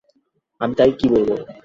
আমি তাকে কী বলব?